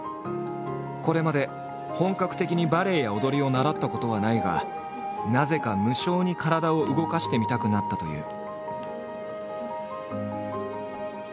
これまで本格的にバレエや踊りを習ったことはないがなぜか無性に体を動かしてみたくなったという。